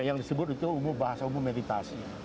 yang disebut itu umum bahasa umum meditasi